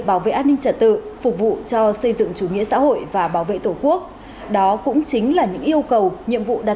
bảo vệ an ninh trật tự ngày nay là bảo vệ tổ quốc xã hội chủ nghĩa